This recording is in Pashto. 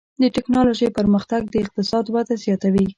د ټکنالوجۍ پرمختګ د اقتصاد وده زیاتوي.